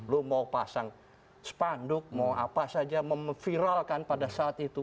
lo mau pasang spanduk mau apa saja memviralkan pada saat itu